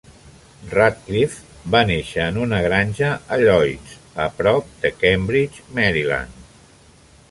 Radcliffe va néixer en una granja a Lloyds, a prop de Cambridge, Maryland.